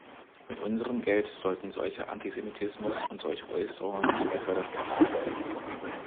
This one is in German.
Mit unserem Geld sollten solcher Antisemitismus und solche Äußerungen nicht gefördert werden!